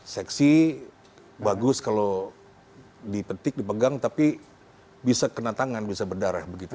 seksi bagus kalau dipetik dipegang tapi bisa kena tangan bisa berdarah begitu